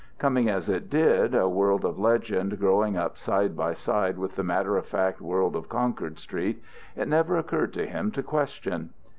Coming as it did, a world of legend growing up side by side with the matter of fact world of Concord Street, it never occurred to him to question.